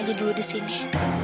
aku mau pergi dulu di sini